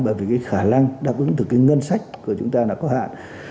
bởi vì khả năng đáp ứng từ ngân sách của chúng ta là có hạn